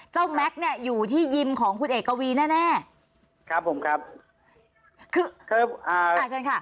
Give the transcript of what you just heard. แม็กซ์เนี่ยอยู่ที่ยิมของคุณเอกวีแน่แน่ครับผมครับคือครับอ่าอ่าเชิญค่ะ